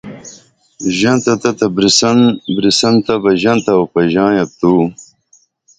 ژنتہ تہ بریسن بریسن تہ بہ ژنتہ اوپژاں یت تو